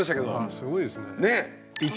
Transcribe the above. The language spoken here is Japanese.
すごいですねあれ。